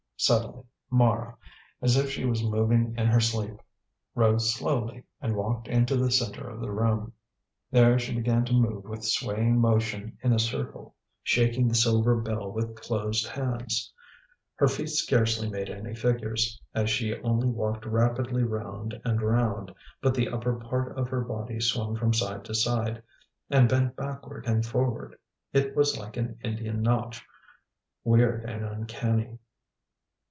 Suddenly Mara, as if she was moving in her sleep, rose slowly and walked into the centre of the room. There she began to move with swaying motion in a circle, shaking the silver bell with closed hands. Her feet scarcely made any figures, as she only walked rapidly round and round, but the upper part of her body swung from side to side, and bent backward and forward. It was like an Indian nautch, weird and uncanny.